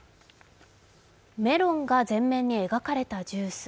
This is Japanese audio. メロンが前面に描かれたジュース。